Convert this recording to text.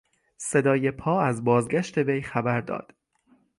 صدای پا از بازگشت وی خبر داد.